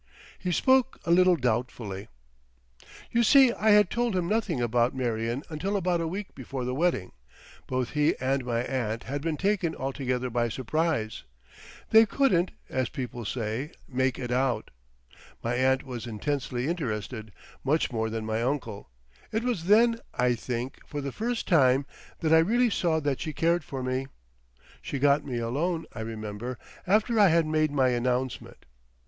He spoke a little doubtfully. You see I had told him nothing about Marion until about a week before the wedding; both he and my aunt had been taken altogether by surprise. They couldn't, as people say, "make it out." My aunt was intensely interested, much more than my uncle; it was then, I think, for the first time that I really saw that she cared for me. She got me alone, I remember, after I had made my announcement.